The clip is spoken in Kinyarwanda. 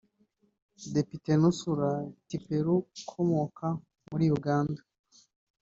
Depite Nusura Tiperu ukomoka muri Uganda